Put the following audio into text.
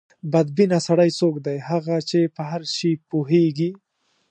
بد بینه سړی څوک دی؟ هغه چې په هر شي پوهېږي.